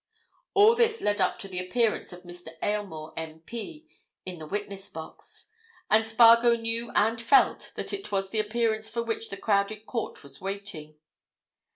All this led up to the appearance of Mr. Aylmore, M.P., in the witness box. And Spargo knew and felt that it was that appearance for which the crowded court was waiting.